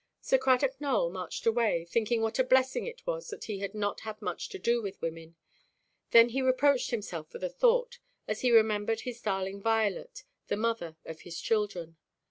Sir Cradock Nowell marched away, thinking what a blessing it was that he had not had much to do with women. Then he reproached himself for the thought, as he remembered his darling Violet, the mother of his children.